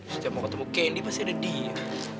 setiap mau ketemu kendi pasti ada dia